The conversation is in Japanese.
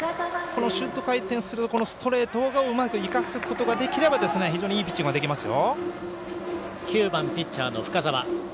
シュート回転するストレートをうまく生かすことができれば非常にいいピッチングができますよ。